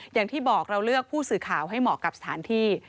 อย่างที่บอกเราเลือกผู้สื่อข่าวให้เหมาะกับสถานที่